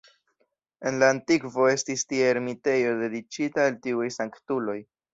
En la antikvo estis tie ermitejo dediĉita al tiuj sanktuloj.